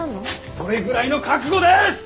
それぐらいの覚悟です！